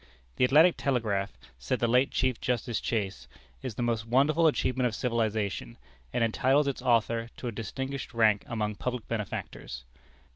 "The Atlantic Telegraph," said the late Chief Justice Chase, "is the most wonderful achievement of civilization, and entitles its author to a distinguished rank among public benefactors.